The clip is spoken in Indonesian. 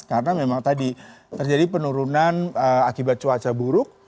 karena memang tadi terjadi penurunan akibat cuaca buruk